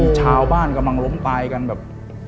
ชาวบ้านกำลังล้มตายกันแบบ